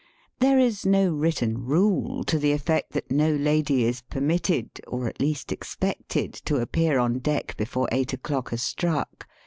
There is no written rule to the effect that no lady is permitted, or at least expected, to appear on deck before eight o'clock has struck.